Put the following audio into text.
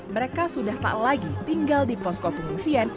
mereka sudah tak lagi tinggal di posko pengungsian